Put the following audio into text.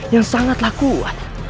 yang sangatlah kuat